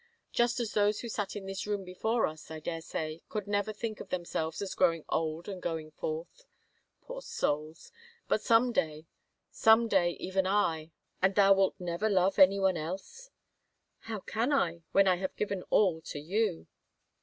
Just as those who sat in this room before us, I dare say, could never think of themselves as grow ing old and going forth. Poor souls! ... But some day — some day, even I — And thou wilt never love anyone else?" " How can I, when I have given all to you